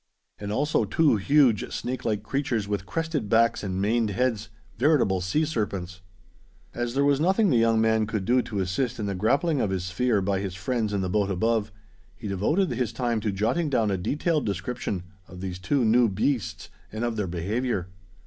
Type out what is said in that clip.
And also two huge snake like creatures with crested backs and maned heads, veritable sea serpents. As there was nothing the young man could do to assist in the grappling of his sphere by his friends in the boat above, he devoted his time to jotting down a detailed description of these two new beasts and of their behavior.